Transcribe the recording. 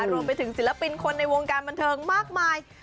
ศิลปินศิลปินคนในวงการบันเทิงมากมาย